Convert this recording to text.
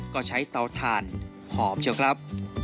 ก็ใช้ต่อทานพร้อมเชียวครับ